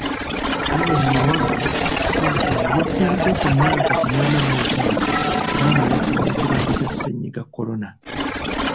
Aaron Mawagi Ssenkungu yafiiridde ku myaka kinaana mu etaano era nga yafudde kirwadde kya Ssennyiga Corona.